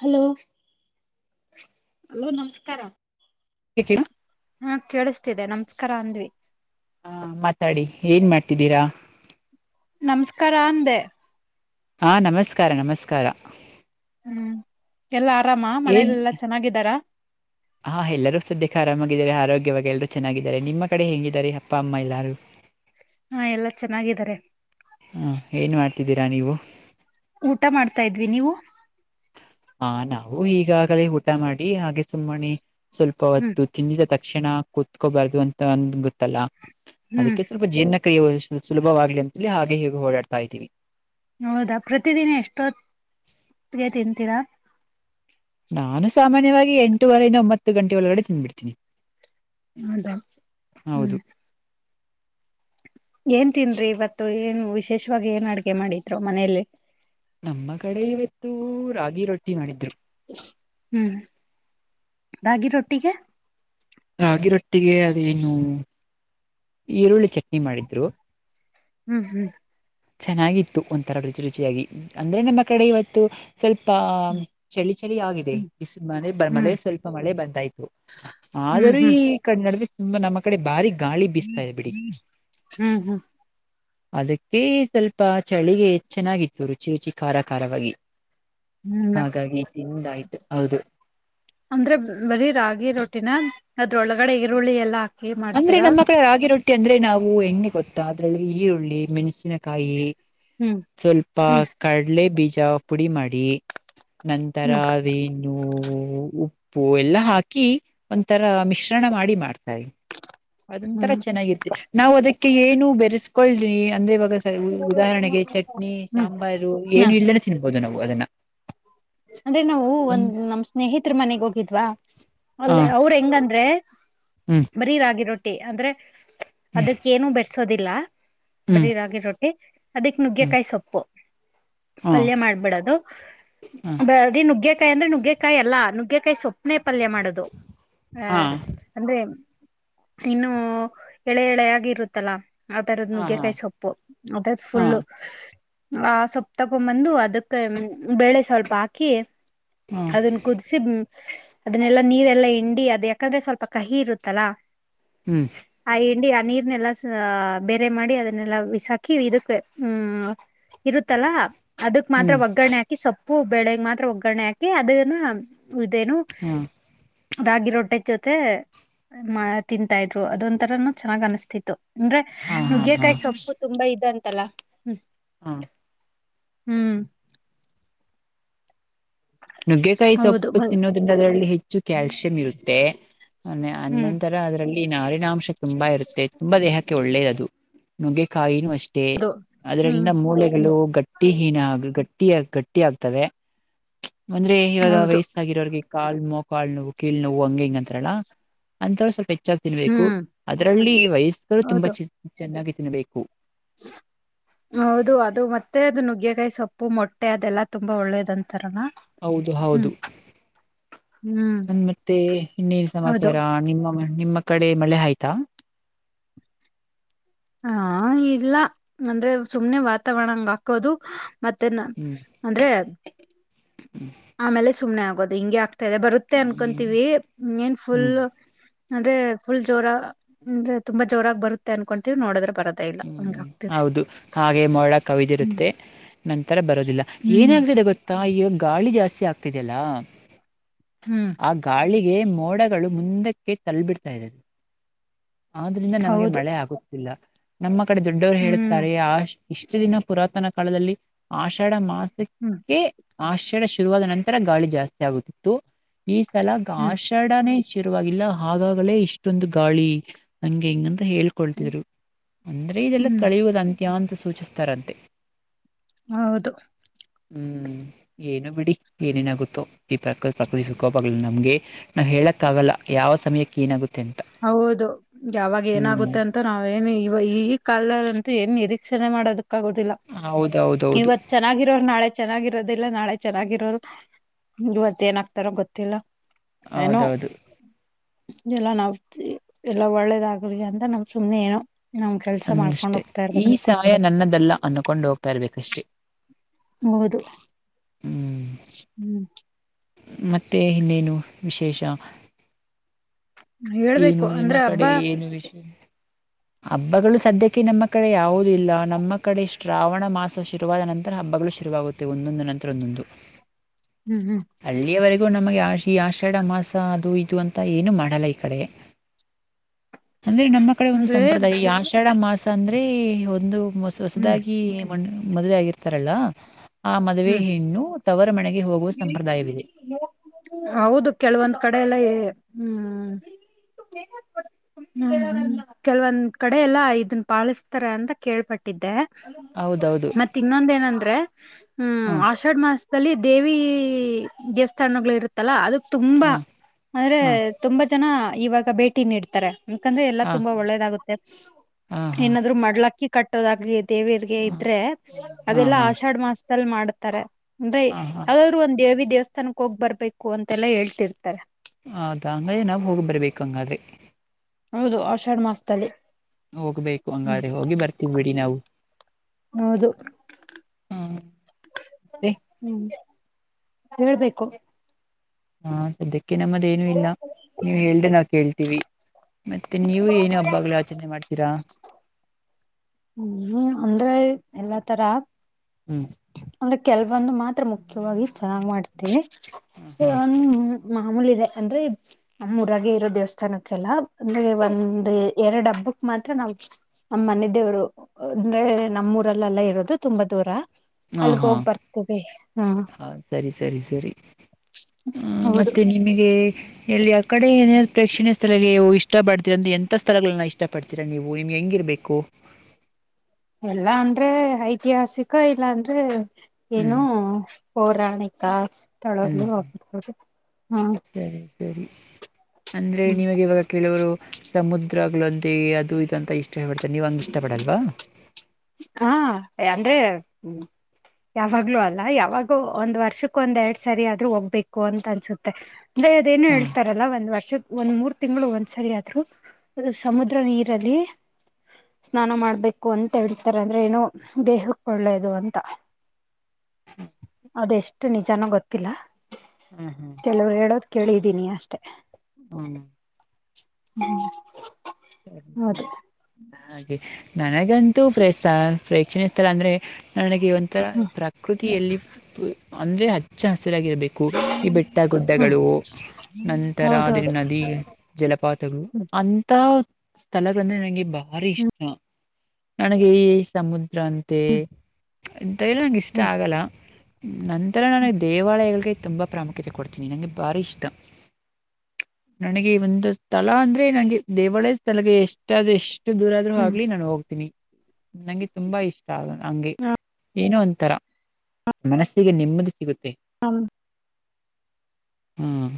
Hello, hello ನಮಸ್ಕಾರ- ಎಕೆ ಹಂ ಕೇಳಿಸ್ತಿದೆ ನಮಸ್ಕಾರ ಅಂದ್ವಿ. ಹ ಮಾತಾಡಿ ಏನ್ ಮಾಡ್ತಿದ್ದೀರಾ. ನಮಸ್ಕಾರ ಅಂದೆ. ಹಾ ನಮಸ್ಕಾರ ನಮಸ್ಕಾರ. ಹ್ಮ್ ಎಲ್ಲಾ ಆರಾಮ ಏನ್ ಮನೇಲೆಲ್ಲಾ ಚೆನ್ನಾಗಿದಾರಾ. ಹಾ ಎಲ್ಲರೂ ಸದ್ಯಕ್ಕೆ ಆರಾಮಾಗಿದ್ದಾರೆ ಆರೋಗ್ಯವಾಗಿ ಎಲ್ಲರೂ ಚೆನ್ನಾಗಿದ್ದಾರೆ ನಿಮ್ಮ ಕಡೆ ಹೇಗಿದ್ದಾರೆ ಅಪ್ಪ ಅಮ್ಮ ಎಲ್ಲಾರೂ. ಹಾ ಎಲ್ಲಾ ಚೆನ್ನಾಗಿದ್ದಾರೆ. ಹ ಏನ್ ಮಾಡ್ತಿದ್ದೀರಾ ನೀವು. ಊಟ ಮಾಡ್ತಾ ಇದ್ವಿ ನೀವು. ಹಾ ನಾವು ಈಗಾಗಲೇ ಊಟ ಮಾಡಿ ಹಾಗೆ ಸುಮ್ಮನೆ ಸ್ವಲ್ಪ ಹ್ಮ್ ಹೊತ್ತು. ತಿಂದಿದ ತಕ್ಷಣ ಕುತ್ಕೋಬಾರದು ಅಂತಂದ ಗೊತ್ತಲ್ಲ ಹ್ಮ್ ಅದಕ್ಕೆ ಸ್ವಲ್ಪ ಪ ಜೀರ್ನ ಕ್ರಿಯೆ ಸುಲಭವಾಗ್ಲಿ ಅಂತ್ಹೇಳಿ ಹಾಗೆ ಹೀಗೆ ಓಡಾಡ್ತಾ ಇದ್ದೀವಿ. ಹೌದಾ ಪ್ರತಿದಿನ ಎಷ್ಟೊತ್ಗೆ ತಿಂತೀರಾ. ನಾನು ಸಾಮಾನ್ಯವಾಗಿ ಎಂಟೂವರೆಯಿಂದ ಒಂಬತ್ತು ಗಂಟೆ ಒಳಗಡೆ ತಿಂದ್ಬಿಡ್ತೀನಿ. ಹೌದಾ ಹ್ಮ್. ಹೌದು ಏನ್ ತಿಂದ್ರಿ ಇವತ್ತು ಏನ್ ವಿಶೇಷವಾಗಿ ಏನ್ ಅಡಗೆ ಮಾಡಿದ್ರು ಮನೆಲಿ. ನಮ್ಮ ಕಡೆ ಇವತ್ತು ರಾಗಿ ರೊಟ್ಟಿ ಮಾಡಿದ್ರು. ಹ್ಮ್ ರಾಗಿ ರೊಟ್ಟಿಗೆ. ರಾಗಿರೊಟ್ಟಿಗೆ ಅದೇನು ಈರುಳ್ಳಿ ಚಟ್ನಿ ಮಾಡಿದ್ರು. ಹ್ಮ್ ಹ್ಮ್ ಚೆನಾಗಿತ್ತು ಒಂಥರ ರುಚಿ ರುಚಿಯಾಗಿ ಅಂದ್ರೆ ನಿಮ್ಮ ಕಡೆ ಇವತ್ತು. ಸ್ವಲ್ಪ ಚಳಿ ಚಳಿ ಆಗಿದೆ ಬಿಸಿ ಮನೆ ಮಳೆ ಹ್ಮ್ ಸ್ವಲ್ಪ ಮಳೆ ಬರ್ತಾಇತ್ತು. ಹ್ಮ್ ಆದರೂ ಈ ಹ್ಮ್ ಕಡೆ ನಡುವೆ ತುಂಬಾ ನಮ್ಮ ಕಡೆ ಭಾರಿ ಗಾಳಿ ಬೀಸ್ತಾ ಇದೆ ಬಿಡಿ. ಹ್ಮ್ ಹ್ಮ್ ಅದಕ್ಕೆ ಸ್ವಲ್ಪ ಚಳಿಗೆ ಚೆನ್ನಾಗಿತ್ತು ರುಚಿ ರುಚಿ ಖಾರ ಖಾರವಾಗಿ. ಹ್ಮ್ ಹಾಗಾಗಿ ತಿಂದಾಯ್ತು ಹೌದು. ಅಂದ್ರೆ ಬರೀ ರಾಗಿ ರೊಟ್ಟಿನ ಅದ್ರೊಳಗಡೆ ಈರುಳ್ಳಿ ಎಲ್ಲಾ ಹಾಕಿ ಅಂದ್ರೆ ಮಾಡ್ತೀರಾ ನಮ್ಮ ಕಡೆ ರಾಗಿ ರೊಟ್ಟಿ ಅಂದ್ರೆ ನಾವು ಹೆಂಗೆ ಗೊತ್ತಾ ಅದ್ರಲ್ಲಿ ಈರುಳ್ಳಿ ಮೆಣಸಿನ ಕಾಯಿ ಹ್ಮ್ ಸ್ವಲ್ಪ ಹ್ಮ್ ಕಡ್ಲೆ ಬೀಜ ಪುಡಿ ಮಾಡಿ. ನಂತರ. ಹ್ಮ್ ಬೇನು ಉಪ್ಪು ಎಲ್ಲಾ ಹಾಕಿ ಒಂಥರ ಮಿಶ್ರಣ ಮಾಡಿ ಮಾಡ್ತಾರೆ. ಅದೊಂತರ ಹ್ಮ್ ಚೆನಾಗಿರತೆ ನಾವ್ ಅದಕ್ಕೆ ಏನು ಬೆರೆಸ್ಕೊಳ್ದೆ ಅಂದ್ರೆ ಇವಾಗ ಉದಾಹರಣೆಗೆ ಚಟ್ನಿ ಹ್ಮ್ ಸಾಂಬಾರು ಹಾ ಏನು ಇಲ್ದೇನೆ ತಿನ್ಬಹುದು ನಾವು ಅದನ್ನ. ಅಂದ್ರೆ ನಾವು ಒಂದ್ ನಮ್ ಸ್ನೇಹಿತ್ರ ಮನೆಗ್ ಹೋಗಿದ್ವಾ ಹ ಅಲ್ಲ್ ಅವ್ರ ಹೆಂಗಂದ್ರೆ. ಹ್ಮ್ ಬರೀ ರಾಗಿ ರೊಟ್ಟಿ ಅಂದ್ರೆ ಅದಕ್ಕೇನು ಬೆರಸೋದಿಲ್ಲ. ಹ್ಮ್ ಹ್ಮ್ ಬರೀ ರಾಗಿ ರೊಟ್ಟಿ ಅದಕ್ ಹ್ಮ್ ನುಗ್ಗೆಕಾಯಿ ಸೊಪ್ಪು ಹಾ ಪಲ್ಯ ಮಾಡ್ಬಿಡದು. ಹಾ ಬರಿ ನುಗ್ಗೆಕಾಯಿ ಅಂದ್ರೆ ನುಗ್ಗೆಕಾಯಿ ಅಲ್ಲಾ ನುಗ್ಗೆಕಾಯಿ ಸೊಪ್ನೆ ಪಲ್ಯ ಮಾಡೋದು ಆಹ. ಹಾ ಅಂದ್ರೆ ಇನ್ನು ಎಳೆ ಎಳೆಯಾಗಿ ಇರುತ್ತಲ್ಲಾ. ಆತರದ ಹಾ ನುಗ್ಗೆಕಾಯಿ ಹಾ ಸೊಪ್ಪು ಅದದ್ ಹಾ ಫುಲ್ಲು. ಆ ಸೊಪ್ಪ್ ತಗೊಬಂದು ಅದಕ್ಕೆ ಬೇಳೆ ಸ್ವಲ್ಪ ಹಾಕಿ. ಹಾ ಅದನ್ ಕುದಸಿ ಅದನ್ನೆಲ್ಲಾ ನೀರೆಲ್ಲಾ ಹಿಂಡಿ ಅದ ಯಾಕಂದ್ರೆ ಸ್ವಲ್ಪ ಕಹಿ ಇರುತ್ತಲ್ಲಾ. ಹ್ಮ್ ಆ ಹಿಂಡಿ ಆ ನೀರ್ನೆಲ್ಲಾ ಸ ಬೇರೆ ಮಾಡಿ ಅದನ್ನೆಲ್ಲ ಬಿಸಾಕಿ ಇದಕ್ಕೆ ಹ್ಮ್. ಇರುತ್ತಲ್ಲಾ ಅದಕ್ ಮಾತ್ರ ಹ್ಮ್ ಒಗ್ಗರಣೆ ಹಾಕಿ ಸೊಪ್ಪ್ ಪೂ ಬೆಳಗ್ ಮಾತ್ರ ಒಗ್ಗರಣೆ ಹಾಕಿ ಅದನ್ನು ಇದೇನು ಹ್ಮ್ ರಾಗಿ ರೊಟ್ಟೆ ಜೊತೆ ಮ ತಿಂತಾ ಇದ್ರು ಅದೊಂಂತರನು ಚೆನ್ನಾಗ್ ಅನಿಸತಿತ್ತು ಅಂದ್ರೆ ಹಾ ಹಾ ಹಾ ನುಗ್ಗೆಕಾಯಿ ಸೊಪ್ಪು ತುಂಬಾ ಇದೆ ಅಂತಲಾ ಹಾ ಹ್ಮ್ ನುಗ್ಗೆಕಾಯಿ ಹೌದು ಸೊಪ್ಪು ತಿನ್ನೋದ್ರಿಂದ ಅದರಲ್ಲಿ ಹೆಚ್ಚು ಕ್ಯಾಲ್ಸಿಯಂ ಇರುತ್ತೆ ಹ್ಮ್ ಅನಂತರ ಲ್ಲಿ ನಾರಿನಾಂಶ ತುಂಬಾ ಇರುತ್ತೆ ತುಂಬಾ ದೇಹಕ್ಕೆ ಒಳ್ಳೇದ ಅದು ನುಗ್ಗೆಕಾಯಿನೂ ಅಷ್ಟೇ ಅದು ಹ್ಮ್ ಅದ್ರಲ್ಲಿಂದ ಮೂಳೆಗಳು ಗಟ್ಟಿ ಹೀನ ಗಟ್ಟಿ ಗಟ್ಟಿ ಆಗ್ತವೆ ಅಂದ್ರೆ ಇವಾಗ ಹೌದು ವಯಸ್ ಗಿರೋರಿಗೆ ಕಾಳ್ ನೋವು ಕೀಳ್ ನೋವು ಹಂಗ ಹೆಂಗ ಅಂತಾರಲ್ಲಾ ಅಂತವ್ರು ಸ್ವಲ್ಪ ಹೆಚ್ಚ ತಿನ್ಬೇಕು ಹ್ಮ್ ಅದರಲ್ಲಿ ವಯಸ್ಕರು ಹೌದು ತುಂಬಾ ಚ ಚೆನ್ನಾಗಿ ತಿನ್ಬೇಕು [unintelligible] ಹೌದು ಅದು ಮತ್ತೆ ಅದು ನುಗ್ಗೆಕಾಯಿ ಸೊಪ್ಪು ಮೊಟ್ಟೆ ಅದೆಲ್ಲಾ ತುಂಬಾ ಒಳ್ಳೇದ ಅಂತಾರಲ್ಲ ಹೌದು ಹೌದು ಹ್ಮ್ ನನ್ ಮತ್ತೆ ಇನ್ನೇನು ಹೌದು ಸಮಾಚಾರ ನಿಮ್ಮ ನಿಮ್ಮ ಕಡೆ ಮಳೆ ಆಯ್ತಾ ಹಾ ಇಲ್ಲ ಅಂದ್ರೆ ಸುಮ್ನೆ ವಾತಾವರಣಂಗ ಹಾಕೋದು ಮತ್ತೆ ನ ಹ್ಮ್ ಅಂದ್ರೆ ಹ್ಮ್ ಆಮೇಲೆ ಸುಮ್ಮ್ನೆ ಆಗೋದು ಹಿಗೆ ಆಗ್ತಾದೆ ಬರುತ್ತೆ ಮತ್ತೆ ಹ್ಮ್ ಅನ್ಕೊಂತೀವಿ ಏನ್ ಫುಲ್ ಹ್ಮ್ ಅಂದ್ರೆ ಫುಲ್ ಜೋರ ಅಂದ್ರೆ ತುಂಬಾ ಜೋರಾಗಿ ಬರುತ್ತೆ ಅನ್ಕೊಂತೀವಿ ನೋಡದ್ರ ಬರತ್ತ ಹ್ಮ್ ಹೌದು ಹಾಗೆ ಮರಳ ಕವಿದಿ ಹ್ಮ್ ಇರುತ್ತೆ ನಂತರ ಬರೋದಿಲ್ಲ ಹ್ಮ್ ಏನಾಗ್ತಿದೆ ಗೊತ್ತಾ ಈಗ ಗಾಳಿ ಜಾಸ್ತಿ ಆಗ್ತಿದಲ್ಲಾ ಹ್ಮ್ ಗಾಳಿಗೆ ಮೋಡಗಳು ಮುಂದಕ್ಕೆ ತಲು ಬಿಿಡ್ತಾ ಇದೆ ಆದ್ರಿಂದ ನಮಗೆ ಹೌದು ಮಳೆ ಆಗುತ್ತಿಲ್ಲ ನಮ್ಮ ಕಡೆ ದೊಡ್ಡವರು ಹ್ಮ್ ಹೇಳುತ್ತಾರೆ ಆ್ ಇಷ್ಟು ದಿನ ಪುರಾತನ ಕಾಲದಲ್ಲಿ ಆಷಾಢ ಮಾ ಹ್ಮ್ [unintelligible] ಆಶ್ರಯ ಶುರುವಾದ ನಂತರ ಗಾಳಿ ಜಾಸ್ತಿ ಆಗುತ್ತಿತ್ತು ಈ ಸಲ ಹ್ಮ್ ಗಸದ ಶುರುವಲ್ಲ ಆಗಾಗಲೇ ಇಷ್ಟೊಂದು ಗಾಳಿ ನಂಗೆ ಹಂಗಂತ ಹ ಹ್ಮ್ ಕೊಳ್ತಿದ್ರು ಅಂದ್ರೆ ಇದೆಲ್ಲ ಹ್ಮ್ ಕಳಿಯುವುದು ಅಂತ್ಯ ಅಂತ ಸೂಚಿಸ್ತಾರಂತೆ ಹೌದು ಹ್ಮ್ ಏನು ಬಿಡಿ ಏನೇನಾಗುತ್ತೋ ಈ ಪ್ರಕ ಪ್ರಕೃತಿ ಕೋಪಗಳು ನಮ್ಗೆ ನಾವು ಹೇಳಕ್ಕಾಗಲ್ಲ ಯಾವ ಸಮಯಕ್ಕೆ ಏನಾಗುತ್ತೆ ಅಂತ ಹೌದು ಯಾವಾಗ ಹ್ಮ್ ಏನಾಗುತ್ತೆ ಅಂತ ನಾವ ಏನು ಇವ ಈ ಕಾಲರ್ ಅಂತ ಏನ್ ನಿರೀಕ್ಷಣೆ ಮಾಡೋದಕ್ಕ ಆಗುದಿಲ್ಲ ಹೌದು ಹೌದು ಹೌದು ಚೆನ್ನಾಗಿರೋರು ನಾಳೆ ಚೆನ್ನಾಗಿರೋದಿಲ್ಲ ನಾಳೆ ಚೆನ್ನಾಗಿರೋದು ಇವತ್ತು ಏನಾಗ್ತಾರೋ ಗೊತ್ತಿಲ್ಲ ಏನೋ ಹೌದೌದು ಎಲ್ಲ ನವು ಎಲ್ಲ ಒಳ್ಳೇದ ಆಾಗಲಿ ಅಂತ ನಮ್ ಸುಮ್ನೆ ಏನೋ ನಮ್ ಕೆಲ್ಸ ಮಾಡ್ಕೊಂಡ್ ಹೋಗ್ತಾ ಇರ್ಬೇಕಂತ ನನ್ನದ್ದಲ್ಲ ಅನ್ಕೊಂಡು ಹೋಗ್ತಾ ಇರ್ಬೇಕ ಅಷ್ಟೇ ಹೌದು ಹ್ಮ್ ಹ್ಮ್ ಮತ್ತೆ ಇನ್ನೇನು ವಿಶೇಷ ಏನು ಹೇಳ್ಬೇಕು ನಿಮ್ಮ ಅಂದ್ರೆ ಹಬ್ಬ ಕಡೆ ಏನು ವಿಷಯ ಹಬ್ಬಗಳು ಸದ್ಯಕ್ಕೆ ನಮ್ಮ ಕಡೆ ಯಾವುದೂ ಇಲ್ಲ ನಮ್ಮ ಕಡೆ ಶ್ರಾವಣ ಮಾಸ್ ಸ ಶುರುವಾದ ನಂತರ ಹಬ್ಬಗಳು ಶುರುವಾಗುತ್ತೆ ಒಂದೊಂದು ನಂತರ ಒಂದೊಂದು. ಹ್ಮ್ ಹ್ಮ್ ಅಲ್ಲಿಯವರೆಗೂ ನಮಗೆ ಆ ಈ ಆಷಾಢ ಮಾಸ ಅದು ಇದು ಅಂತ ಏನು ಮಾಡಲ್ಲ ಈ ಕಡೆಗೆ. ಅಂದ್ರೆ ನಮ್ಮ ಕಡೆ ಒಂದು ಅಂದ್ರೆ ಸಂಪ್ರದಾಯ ಆಷಾಢ ಮಾಸ ಅಂದ್ರೆ ಒಂದು ಹ್ಮ್ ಹೊಸದಾಗಿ ಮದುವೆ ಆಗಿರ್ತಾರಲ್ಲ ಆ ಮದುವೆ ಹ್ಮ್ ಹೆಣ್ಣು ತವರು ಮನೆಗೆ ಹೋಗುವ ಸಂಪ್ರದಾಯವಿದೆ. ಹೌದು ಕೆಲವೊಂದ್ ಕಡೆ ಎಲ್ಲಾ ಹ್ಮ್ ಹ್ಮ್ ಕೆಲವೊಂದ್ ಕಡೆ ಎಲ್ಲಾ ಇದನ್ನ ಪಾಳಿಸ್ತಾರೆ ಅಂತ ಕೇಳ್ಪಟ್ಟ್ ಟ್ಟಿದ್ದೆ ಹೌದೌದು ಮತ್ತ್ ಇನ್ನೊಂದು ಏನಂದ್ರೆ. ಹ್ಮ್ ಹ್ಞೂ ಆಷಾಢ ಮಾಸದಲ್ಲಿ ದೇವಿ ದೇವಸ್ಥಾನಗಳು ಇರುತ್ತಲ್ಲ ಅದಕ್ ತುಂಬಾ ಹಾಂ ಅದ್ರೆ ಹಾಂ ತುಂಬಾ ಜನ ಇವಾಗ ಭೇಟಿ ನೀಡ್ತಾರೆ. ಯಾಕಂದ್ರೆ ಎಲ್ಲಾ ಹಾಂ ತುಂಬಾ ಒಳ್ಳೇದಾಗುತ್ತೆ ಹಾಂ ಹಾಂ ಏನಾದ್ರು ಮಡ್ಲಕ್ಕಿ ಕಟ್ಟೋದಾಗ್ಲಿ ದೇವಿಯರಿಗೆ ಹಾಂ ಇದ್ರೆ ಹಾಂ ಅದೆಲ್ಲಾ ಹಾಂ ಆಷಾಢ ಮಾಸದಲ್ಲಿ ಮಾಡ್ತಾರೆ ಅಂದ್ರೆ ಹಾಂ ಹಾಂ ಯಾವ್ ಒಂದು ದೇವಿ ದೇವಸ್ಥಾನಕ್ ಹೋಗ್ ಬರ್ಬೇಕು ಅಂತೆಲ್ಲಾ ಹೇಳ್ತಿರ್ತಾರೆ. ಹೌದಾ ಹಂಗ ನಾವ್ ಹೋಗಿ ಬರ್ಬೇಕು ಹಂಗಾದ್ರೆ. ಹೌದು ಅಷಾಡ ಮಾಸ್ ಹೋಗ್ಬೇಕು ಹಂಗಾದ್ರೆ ಹೋಗಿ ಬರ್ತಿವ್ ಬಿಡಿ ನಾವು. ಹೌದು ಹಾಂ ಮತ್ತೆ ಹ್ಮ್ ಹೇಳ್ಬೇಕು ಹಾ ಸದ್ಯಕ್ಕೆ ನಮ್ಮದು ಏನು ಇಲ್ಲ ನೀವ್ ಹೇಳ್ದರೇ ನಾವ್ ಕೇಳ್ತೀವಿ. ಮತ್ತೆ ನೀವು ಏನೂ ಹಬ್ಬಗಳು ಆಚರಣೆ ಮಾಡ್ತೀರಾ. ಹ್ಮ್ ಅಂದ್ರೆ ಎಲ್ಲಾ ತರ. ಹ್ಮ್ ಅಂದ್ರೆ ಕೆಲವೊಂದು ಮಾತ್ರ ಮುಖ್ಯವಾಗಿ ಚೆನ್ನಾಗಿ ಮಾಡ್ತೇವೆ ಹಾಂ ಹಾಂ ಒಂದ್ ಮಾಮೂಲಿ ಇದೆ ಅಂದ್ರೆ ನಮ್ಮೂರಾಗೆ ಇರೋ ದೇವಸ್ಥಾನಕ್ಕೆಲ್ಲಾ ಅಂದ್ರೆ ಒಂದು ಎರಡು ಹಬ್ಬಕ್ ಮಾತ್ರ ನಾವ್ ಅ ಮನೆ ದೇವ್ರು ಅಂದ್ರೆ ನಮ್ಮೂರಲ್ಲೆಲ್ಲಾ ಇರೋದು ತುಂಬಾ ದೂರ. ಹಾಂ ಅಲ್ಲಿಗೆ ಹಾಂ ಹೋಗಿ ಬರ್ತಿದೆ ಹಾ ಹಾಂ ಸರಿ ಸರಿ ಸರಿ ಹೌದು ಮತ್ತು ನಿಮಗೆ ಎಲ್ಲಿ ಆ ಕಡೆ ಏನ್ ಪ್ರೇಕ್ಷಣೀ ಸ್ಥಳದಲ್ಲ್ ನೀವು ಇಷ್ಟ ಪಡ್ತೀರ ಅಂದ್ರೆ ಎಂತ ಸ್ಥಳಗಳನ್ನ ಇಷ್ಟ ಪಡ್ತೀರಾ ನೀವು ನಿಮ್ಗೆ ಹೆಂಗಿರ್ಬೇಕು. ಎಲ್ಲಾ ಅಂದ್ರೆ ಐತಿಹಾಸಿಕ ಇಲ್ಲಾ ಅಂದ್ರೆ ಹ್ಞೂ ಏನು ಪೌರಾಣಿಕ ಹ್ಞೂ ಸ್ಥಳಗಳು ಆಗ್ಬಹುದು ಹ್ಮ್ ಸರಿ ಸರಿ ಅಂದರೆ ಹ್ಮ್ ನಿಮಗೆ ಇವಾಗ ಕೇಳೋರು. ಸಮುದ್ರಗಳೊಂತೆ ಅದು ಇದು ಅಂತ ಇಷ್ಟ ಪಡತಾರೆ ನೀವು ಹಂಗೆ ಇಷ್ಟ ಪಡಲ್ವಾ. ಹಾ ಅಂದ್ರೆ ಯಾವಾಗ್ಲೂ ಅಲ್ಲ ಯಾವಾಗೂ ಒಂದ್ ವರ್ಷಕ್ಕ ಒಂದು ಎರಡು ಸರಿ ಆದ್ರೂ ಹೋಗ್ಬೇಕು ಅಂತ ಅನ್ಸುತ್ತೆ. ಅಂದ್ರೆ ಅದೇನು ಹ್ಞೂ ಹೇಳ್ತಾರಲ್ಲ ಒಂದು ವರ್ಷದ ಒಂದು ಮೂರು ತಿಂಗಳು ಒಂದ್ಸರಿ ಆದ್ರು. ಸಮುದ್ರ ನೀರಲ್ಲಿ ಸ್ನಾನ ಮಾಡ್ಬೇಕು ಅಂತ್. ತ ಹೇಳತ್ತಾರೆ ಅಂದ್ರೆ ಏನೋ ದೇಹಕ್ಕೆ ಒಳ್ಳೇದು ಅಂತ. ಅದು ಎಷ್ಟು ನಿಜಾನೋ ಗೊತ್ತಿಲ್ಲ. ಹ್ಮ್ ಹ್ಮ್ ಕೆಲವರು ಹೇಳೋದ್ ಕೇಳಿದೀನಿ ಅಷ್ಟೇ. ಹ್ಮ ಹ್ಮ್ ಸರಿ ಸರಿ ಹೌದು ಹಾಗೆ ನನಗಂತೂ ಪ್ರ ಪ್ರೇಕ್ಷಣೀಯ ಸ್ಥಳ ಅಂದ್ರೆ. ನನಗೆ ಒಂಥರ ಹ್ಮ್ ಪ್ರಕೃತಿಯಲ್ಲಿ ಅಂದ್ರೆ ಹಚ್ಚ ಹಸಿರಾಗಿರಬೇಕು. ಈ ಬೆಟ್ಟ ಹ್ಮ್ ಗುಡ್ಡಗಳು ನಂತರ ಅದು ಹೌದೌದು ನದಿಗೆ. ಜಲಪಾತಗಳು ಹ್ಮ್ ಅಂತ ಸ್ಥಳದಂದ್ರೆ ನನಗೆ ಭಾರಿ ಹ್ಮ್ ಇಷ್ಟ ನನಗೆ ಈ ಸಮುದ್ರ ಅಂತ. ಮತ್ತೆ ಇಂತ ಎಲ್ಲ ನಂಗೆ ಇಷ್ಟ ಹ್ಮ್ ಆಗಲ್ಲ ನಂತರ ಹ್ಮ್ ನನಗೆ ದೇವಾಲಯಗಳಿಗೆ ತುಂಬ ಪ್ರಾಮುಖ್ಯತೆ ಕೊಡ್ತೀನಿ ನನಗೆ ಭಾರಿ ಇಷ್ಟ ನನಗೆ ಒಂದು ಸ್ಥಳ ಅಂದ್ರೆ ನಂಗೆ ದೇವಾಲಯ ಸ್ಥಳಕ್ಕೆ ಎಷ್ಟಾದ್ ಎಷ್ಟ. ಇಷ್ಟು ದೂರ ಆದ್ರೂ ಹ್ಮ್ ಆಗ್ಲಿ ನಾನು ಹೋಗ್ತೀನಿ ನಂಗೆ ತುಂಬಾ ಇಷ್ಟ ಹಂಗೆ ಏನೋ ಒಂಂತರ. ಮನಸ್ಸಿಗೆ ನೆಮ್ಮದಿ ಸಿಗುತ್ತೆ. ಹಾ ಹ್ಮ್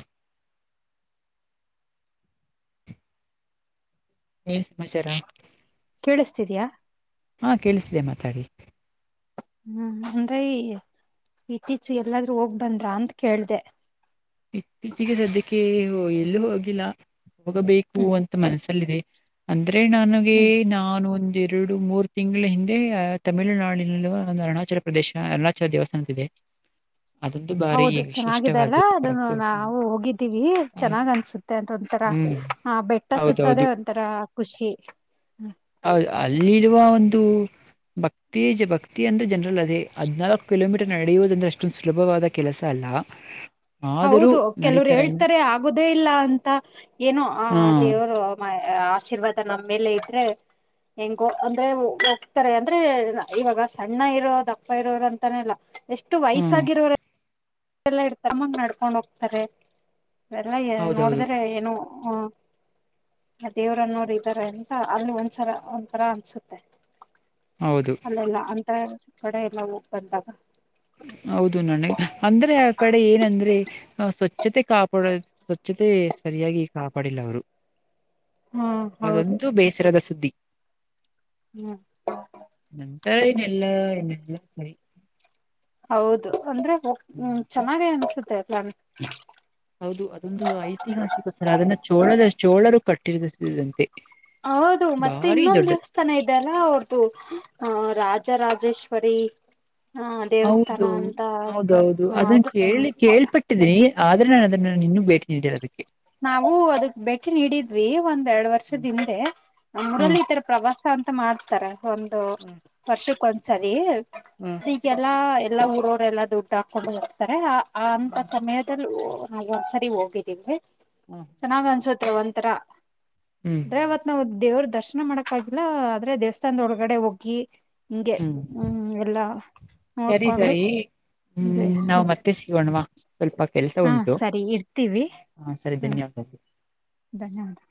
ಏ ಸಮಾಚಾರ ಕೇಳಿಸ್ತಿದ್ಯಾ ಹಾ ಕೇಳಿಸಿದೆೆ ಮಾತಾಡಿ. ಹ್ಮ್ ಅಂದ್ರೆ ಇತ್ತೀಚೆ ಎಲ್ಲಾದ್ರೂ ಹೋಗ್ ಬಂದ್ರ ಅಂತ ಕೇಳ್ದ. ಇತ್ತೀಚಿಗೆ ಸದ್ಯಕ್ಕೆ ಎಲ್ಲೂ ಹೋಗಿಲ್ಲ ಹೋಗಬೇಕು ಹ್ಮ್ ಅಂತ ಮನಸಲ್ಲಿದೆ. ಅಂದ್ರೆ ನನಗೆ ಹ್ಮ್ ನಾನು. ಎರಡು ಮೂರು ತಿಂಗಳ ಹಿಂದೆ ತಮಿಳುನಾಡಿನ ಒಂದು ಅರುಣಾಚಲ ಪ್ರದೇಶ ಅರುಣಾಚಲ ದೇವಸ್ಥಾನದ ಇದೆ. ಅದೊಂದು ಬಾರಿ ಹೌದು ಚೆನ್ನಾಗಿದ್ದೆ ವಿಶಿಷ್ಟವಾದ ಅಲ್ವಾ. ಅ ನಾವು ಹೋಗಿದ್ದೀವಿ ಚೆನ್ನಾಗ್ ಅನ್ಸುತ್ತೆ ಅಂತ ಒಂತರ ಹ್ಮ್ ಹೌದು. ಆ ಬೆಟ್ಟ ಸುತ್ತದೇ. ಹೌದೌದು ಒಂತರ ಖುಷಿ. ಹೌದು ಅಲ್ಲಿರುವ ಒಂದು. ಉತ್ತೇಜ ಭಕ್ತಿ ಅಂದ್ರೆ ಜನರಲ್ ಅದೇ ಹದ್ನಾಲ್ಕು ಕಿಲೋಮೀಟರ್ ನಡೆಯುವುದಂದ್ರೆ ಅಷ್ಟೊಂದು ಸುಲಭವಾದ ಕೆಲಸ ಅಲ್ಲ. [inaudible] ಆದರೂ ಹೌದು ಕೆಲವ್ರು ನಡೀತಾರೆ ಅಂದ್ರೆ ಹೇಳ್ತಾರೆ ಆಗುದೇ ಇಲ್ಲ ಅಂತ ಏನೋ ಆ ಹಾ ದೇವರು. ಆಶೀರ್ವಾದ ನಮ್ಮ ಮೇಲೆ ಇದ್ರೆ. ಹೆಂಗೋ ಅಂದ್ರೆ ಹೋಗ್ತಾರೆ ಅಂದ್ರೆ ಇವಾಗ ಸಣ್ಣ ಇರೋ ದಪ್ಪ ಇರೋ ಅಂತಾನಲ್ಲ. ಎಷ್ಟು ಹ್ಮ್ ವಯಸ್ಸಾಗಿರೋರೆ. ಲ್ಲ ಇಡ್ತಾರ ಹಾಗೆ ನಡ್ಕೊಂಡ್ ಹೋಗ್ತಾರೆಲ್ಲಾ ಹೌದೌದು ನೋಡಿದ್ರೆ ಏನೋ ಹ. ಆ ದೇವ್ರನ್ನೋರು ಇದ್ದಾರೆ ಅಂತ ಅಲ್ಲಿ ಒಂದ್ಸರ ಒಂದಥರ ಅನ್ಸುತ್ತೆ. ಹೌದು ಅಲ್ಲಲ್ಲ ಅಂತ ಕಡೆ ಎಲ್ಲ ಹೋಗ್ ಬಂದಾಗ. ಹೌದು ನನಗೆ ಅಂದ್ರೆ ಆ ಕಡೆ ಏನಂದ್ರೆ ಸ್ವಚ್ಛತೆ ಕಾಪ ಸ್ವಚ್ಛತೆ ಸರಿಯಾಗಿ ಕಾಪಾಡಿಲ್ಲ ಅವರು. ಹಾ ಹೌದು ಅದೊಂದು ಬೇಸರದ ಸುದ್ದಿ. ಹ್ಮ್ ನಂತರ ಇನ್ನೆಲ್ಲ ಎನ್ನೆಲ್ಲ ಸರಿ. ಹೌದು ಅಂದ್ರೆ ಹ್ಮ ಹ್ಮ್. ಚೆನ್ನಾಗೇ ಅನ್ಸುತ್ತೆನ್ ಹೌದು ಅದೊಂದು ಐತಿಹಾಸಿಕ ಸರ ಅದನ್ನ ಚೋಳದ ಚೋಳರು ಕಟ್ಟಿದಂತೆ. ಹೌದು ಮತ್ತೆ ಇನ್ನೊಂದು. ತನ ಇದಲ್ಲ ಅವ್ರ್ದುಹಾ ರಾಜರಾಜೇಶ್ವರಿ. ಹ ದೇವಸ್ಥಾನ ಹೌದು ಅಂತ ಹೌದೌದು ಹ ಅದನ್ನ ಅದು ಕೇಳಿ ಹೌದಾ ಕೇಪಟ್ಟ. ಇಟ್ಟಿದ್ದೀನಿ ಆದ್ರೆ ನಾನು ಅದನ್ನ ನೀನ್ನನ್ನು ಭೇಟಿ ನೀಡಿರ ಅದಕ್ಕೆ. ನಾವು ಅದಕ್ ಭೇಟಿ ನೀಡಿದ್ವಿ ಒಂದ್ ಎರಡ್ ವರ್ಷದಿಂದೆ ನಮ್ಮ ಊರಲ್ಲಿ ತರ. ಪ್ರವಾಸ ಅಂತ ಮಾಡ್ತಾರೆ ಒಂದು ವರ್ಷಕ್ಕ ಒಂದ್ಸರಿ. ಈಗೆಲ್ಲಾ ಎಲ್ಲಾ ಊರವರೆ ಎಲ್ಲಾ ದುಡ್ಡು ಹಾಕೊಂಡು ಹೋಗ್ತಾರೆ ಅಂತ ಸಮಯದಲ್ಲಿ. ನಾ ಒಂದ್ಸರಿ ಹೋಗಿದ್ದೀವಿ. [inaudible] ಚೆನ್ನಾಗ್ ಅನ್ಸೋತೆ ಒಂತರಾ ಹ್ಮ್ [unintelligible] ಆದ್ರೆ ಅವತ್ ನಾವು ದೇವ್ರ ದರ್ಶನ ಮಾಡಕ್ ಆಗಿಲ್ಲ ಆದ್ರೆ ದೇವಸ್ಥಾನದ ಒಳಗಡೆ ಹೋಗಿ ಹಿಂಗೆ ಹ್ಮ್ ಎಲ್ಲಾ ಸರಿ ನೋಡ್ಕೊಂಡು ಸರಿ ಹ್ಮ್ ನಾವ್ ಮತ್ತೆ ಸಿಗೋಣ್ವಾ ಸ್ವಲ್ಪ ಕೆಲಸ ಹಾ ಉಂಟು ಸರಿ ಇಡ್ತೀವಿ ಹ ಸರಿ ಹ್ಮ್ ಧನ್ಯವಾದಗಳು ಧನ್ಯವಾದ